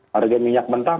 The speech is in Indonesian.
harga minyak mentah